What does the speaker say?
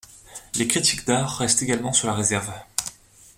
Les critiques d'art restent également sur la réserve.